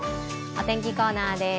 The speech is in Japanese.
お天気コーナーです。